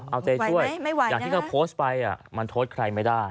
เอาใจช่วยอย่างที่เขาโพสต์ไปมันโทษใครไม่ได้